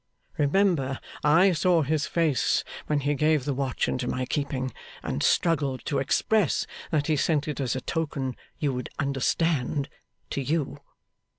Remember, I saw his face when he gave the watch into my keeping, and struggled to express that he sent it as a token you would understand, to you.